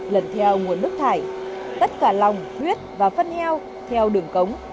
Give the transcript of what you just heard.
lần theo nguồn nước thải tất cả lòng thuyết và phân heo theo đường cống